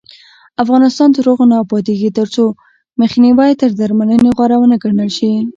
افغانستان تر هغو نه ابادیږي، ترڅو مخنیوی تر درملنې غوره ونه ګڼل شي.